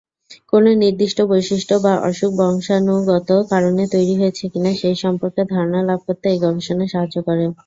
কোন নির্দিষ্ট বৈশিষ্ট্য বা অসুখ বংশাণুগত কারণে তৈরি হয়েছে কিনা, সেই সম্পর্কে ধারণা লাভ করতে এই গবেষণা সাহায্য করে।